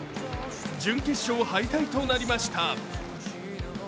準決勝敗退となりました。